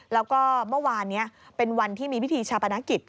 แล้วก็เมื่อวานนี้เป็นวันที่มีพิธีชาปนกิจ